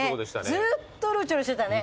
ずっとうろちょろしてたね。